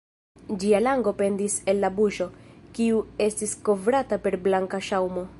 Ĝia lango pendis el la buŝo, kiu estis kovrata per blanka ŝaŭmo.